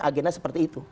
dan agaknya seperti itu